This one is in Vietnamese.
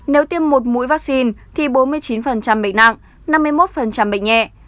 nếu tiêm một mũi vaccine thì bốn mươi chín bệnh nặng năm mươi một bệnh nhẹ